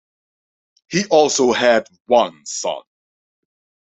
He also had one son.